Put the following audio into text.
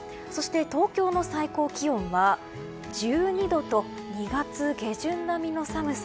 東京の最高気温は、１２度と２月下旬並みの寒さ。